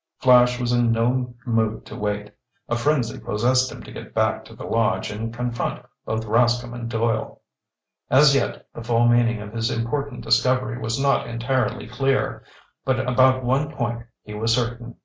Flash was in no mood to wait. A frenzy possessed him to get back to the lodge and confront both Rascomb and Doyle. As yet, the full meaning of his important discovery was not entirely clear. But about one point he was certain.